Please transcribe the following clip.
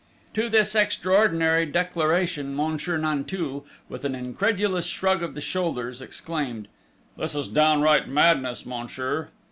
To this extraordinary declaration, Monsieur Nanteuil, with an incredulous shrug of the shoulders, exclaimed: "This is downright madness, monsieur!"